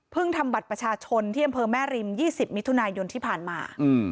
ทำบัตรประชาชนที่อำเภอแม่ริม๒๐มิถุนายนที่ผ่านมา